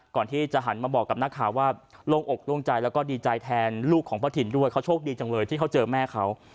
ก่อนที่จะหันมาบอกกับนักข่าวว่าโล่งอกโล่งใจแล้วก็ดีใจแทนลูกของพ่อถิ่นด้วยเขาโชคดีจังเลยที่เขาเจอแม่เขา